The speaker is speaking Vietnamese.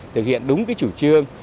thực hiện đúng cái chủ trương